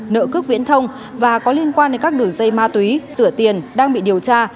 nợ cước viễn thông và có liên quan đến các đường dây ma túy rửa tiền đang bị điều tra